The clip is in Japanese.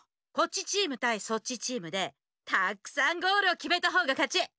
こっちチームたいそっちチームでたくさんゴールをきめたほうがかち。